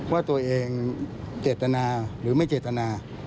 ว่าตัวเองเจตนาหรือไม่เจตนา